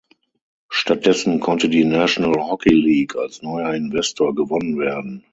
Stattdessen konnte die National Hockey League als neuer Investor gewonnen werden.